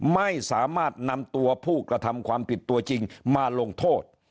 ไม่สามารถนำตัวผู้กระทำความผิดตัวจริงมาลงโทษ